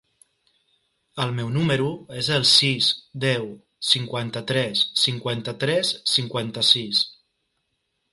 El meu número es el sis, deu, cinquanta-tres, cinquanta-tres, cinquanta-sis.